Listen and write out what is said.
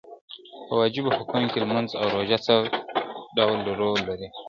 په واجبو حقوقو کي لمونځ او روژه څه رول لري؟